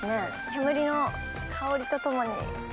煙の香りとともに。